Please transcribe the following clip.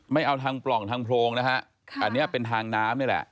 ไม่เอาทางปล่องทางโพรงนะฮะอันนี้เป็นทางน้ำนี่แหละ